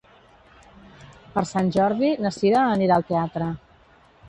Per Sant Jordi na Cira anirà al teatre.